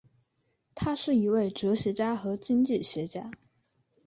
他是一位哲学家和经济学家。